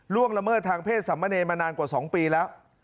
ล่วงละเมื่อทางเพศสามะในน่านกว่า๒ปีแล้ว